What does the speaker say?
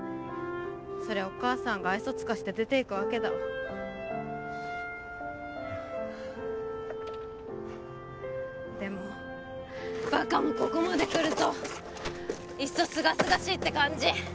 そりゃお母さんが愛想尽かして出ていくわけだでもバカもここまでくるといっそすがすがしいって感じ